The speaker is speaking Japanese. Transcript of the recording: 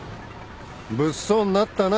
物騒になったな